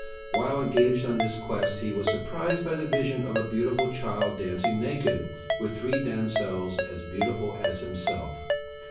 While engaged on this quest he was surprised by the vision of a beautiful child dancing naked, with three damsels as beautiful as himself.